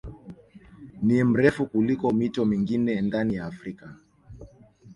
Ni mrefu kuliko mito mingine ndani ya Afrika